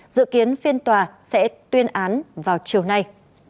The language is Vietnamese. dự kiến phiên tòa sẽ tuyên án vào chiều nay